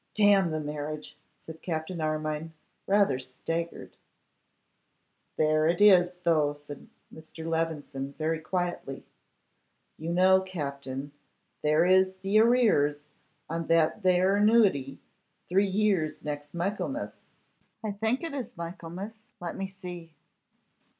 'Damn the marriage,' said Captain Armine, rather staggered. 'There it is, though,' said Mr. Levison, very quietly. 'You know, Captin, there is the arrears on that 'ere annuity, three years next Michaelmas. I think it's Michaelmas; let me see.